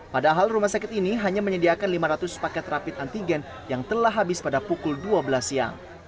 padahal rumah sakit ini hanya menyediakan lima ratus paket rapid antigen yang telah habis pada pukul dua belas siang